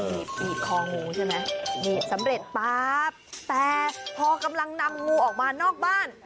บีบคองูใช่ไหมหนีบสำเร็จป๊าบแต่พอกำลังนำงูออกมานอกบ้าน